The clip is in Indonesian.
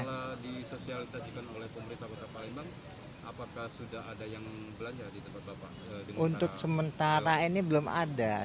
setelah disosialisasikan oleh pemerintah kota palembang apakah sudah ada yang belanja di tempat bapak